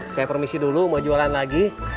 saya permisi dulu mau jualan lagi